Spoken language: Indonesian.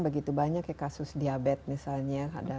begitu banyak ya kasus diabetes misalnya